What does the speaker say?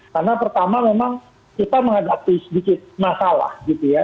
karena pertama memang kita menghadapi sedikit masalah gitu ya